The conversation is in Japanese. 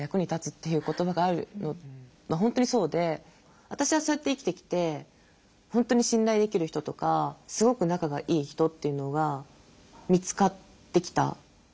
本当に私はそうやって生きてきて本当に信頼できる人とかすごく仲がいい人っていうのが見つかってきた。